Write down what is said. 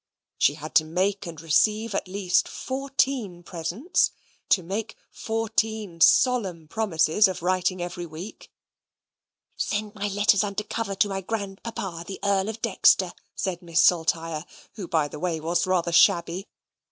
She had to make and receive at least fourteen presents to make fourteen solemn promises of writing every week: "Send my letters under cover to my grandpapa, the Earl of Dexter," said Miss Saltire (who, by the way, was rather shabby).